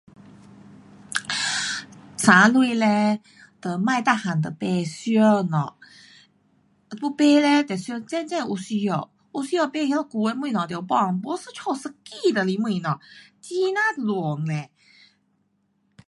省钱嘞，就别全部都买，想下，要买嘞就想真正有需要，有需要买了旧的东西得丢，没一家一地都是东西，很呐乱呢。